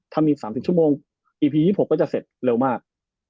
ถ้ามีอีก๓๐ชั่วโมงอีพี๒๖ก็จะเสร็จเร็วมาก